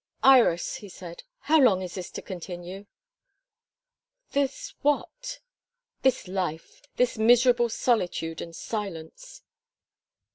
"Iris," he said, "how long is this to continue?" "This what?" "This life this miserable solitude and silence."